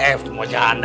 eh semua janda